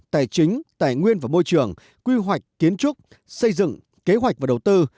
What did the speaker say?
tài chính tài nguyên và môi trường quy hoạch kiến trúc xây dựng kế hoạch và đầu tư